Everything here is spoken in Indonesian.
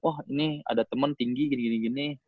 oh ini ada teman tinggi gini gini